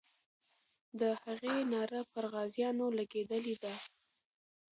د هغې ناره پر غازیانو لګېدلې ده.